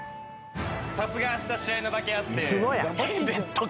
「さすがあした試合なだけあって」